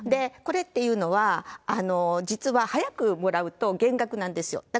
これっていうのは、実は早くもらうと減額なんですよ。